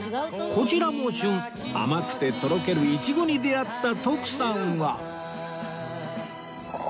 こちらも旬甘くてとろけるイチゴに出会った徳さんは